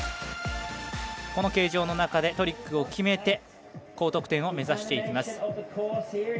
この形状の中でトリックを決めて高得点を目指していきます。